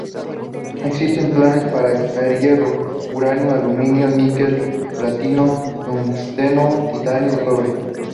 Existen planes para extraer hierro, uranio, aluminio, níquel, platino, tungsteno, titanio, y cobre.